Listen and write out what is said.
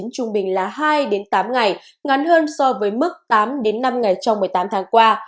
trung bình là hai tám ngày ngắn hơn so với mức tám năm ngày trong một mươi tám tháng qua